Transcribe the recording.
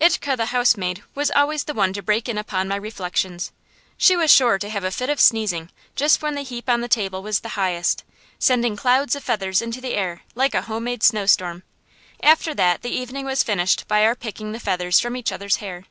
Itke, the housemaid, was always the one to break in upon my reflections. She was sure to have a fit of sneezing just when the heap on the table was highest, sending clouds of feathers into the air, like a homemade snowstorm. After that the evening was finished by our picking the feathers from each other's hair.